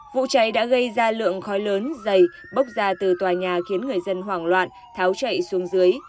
vụ cháy đã gây ra lượng khói lớn dày bốc ra từ tòa nhà khiến người dân hoảng loạn tháo chạy xuống dưới